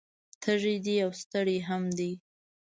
تږی دی او ستړی هم دی